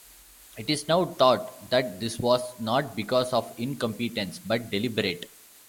It is now thought that this was not because of incompetence, but deliberate.